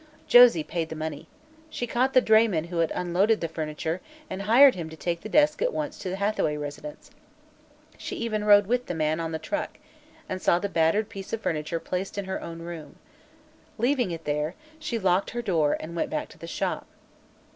Josie paid the money. She caught the drayman who had unloaded the furniture and hired him to take the desk at once to the Hathaway residence. She even rode with the man, on the truck, and saw the battered piece of furniture placed in her own room. Leaving it there, she locked her door and went back to the Shop.